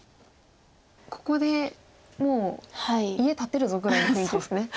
ここでもう家建てるぞぐらいの雰囲気ですね白は。